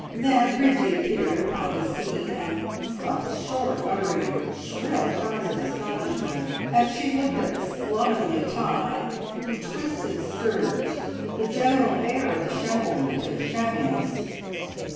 Then Bridgie appeared upon the scene, and stopped short, uttering shrill cries of astonishment, as she looked at the slovenly tie, the twisted skirt, the general air of dishevelment and shabbiness.